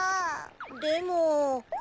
でも。